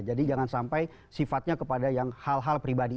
jadi jangan sampai sifatnya kepada yang hal hal pribadi